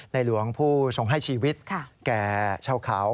หลวงผู้ทรงให้ชีวิตแก่ชาวเขา